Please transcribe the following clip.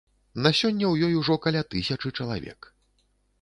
На сёння ў ёй ужо каля тысячы чалавек.